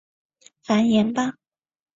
繁衍吧！